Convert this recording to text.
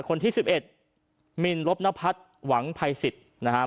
คนที่สิบเอ็ดมิลรบนพัฒน์หวังภัยศิษย์นะฮะ